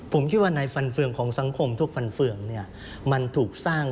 ผมคิดว่าในฟันเฟืองของสังคมทุกฟันเฟืองเนี่ยมันถูกสร้าง